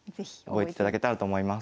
覚えていただけたらと思います。